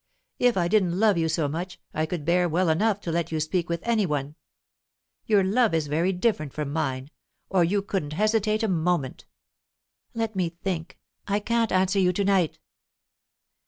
If I didn't love you so much, I could bear well enough to let you speak with any one. Your love is very different from mine, or you couldn't hesitate a moment." "Let me think! I can't answer you to night."